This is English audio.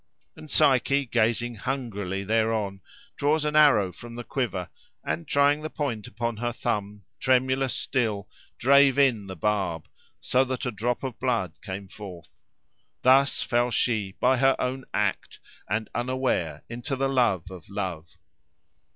And Psyche, gazing hungrily thereon, draws an arrow from the quiver, and trying the point upon her thumb, tremulous still, drave in the barb, so that a drop of blood came forth. Thus fell she, by her own act, and unaware, into the love of Love.